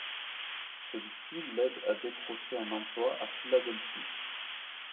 Celui-ci l'aide à décrocher un emploi à Philadelphie.